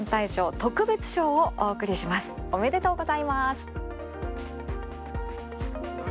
特別賞、おめでとうございます！